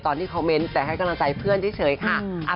ตอนที่เขาเม้นแต่ให้กำลังใจเพื่อนเฉยค่ะ